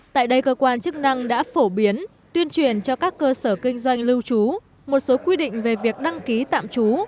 tại đây cơ quan chức năng đã phổ biến tuyên truyền cho các cơ sở kinh doanh lưu trú một số quy định về việc đăng ký tạm trú